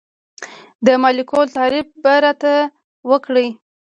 د مالیکول تعریف به راته وکړئ.